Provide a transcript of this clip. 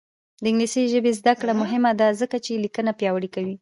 د انګلیسي ژبې زده کړه مهمه ده ځکه چې لیکنه پیاوړې کوي.